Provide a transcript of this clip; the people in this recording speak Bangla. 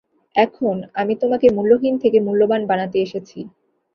এখন, আমি তোমাকে মূল্যহীন থেকে মূল্যবান বানাতে এসেছি।